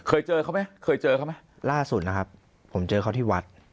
เคยเจอเขาไหมเคยเจอเขาไหมล่าสุดนะครับผมเจอเขาที่วัด